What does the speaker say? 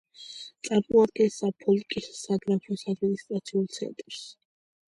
წარმოადგენს საფოლკის საგრაფოს ადმინისტრაციულ ცენტრს.